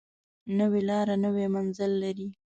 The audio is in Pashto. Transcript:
نوې لاره نوی منزل لري